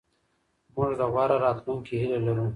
موږ د غوره راتلونکي هیله لرو.